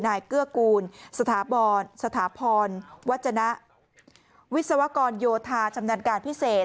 นายเกื้อกูลสถาบรรย์สถาพรวัฒนะวิศวกรโยธาสำนักงานพิเศษ